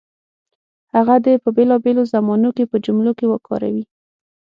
هغه دې په بېلابېلو زمانو کې په جملو کې وکاروي.